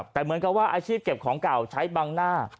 แต่เหมือนกับว่าอาชีพเก็บของเก่าใช้บังหน้า